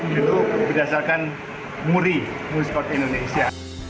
itu berdasarkan muri muri sport indonesia